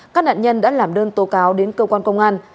các nạn nhân đã làm đơn tố cáo đến cơ quan công an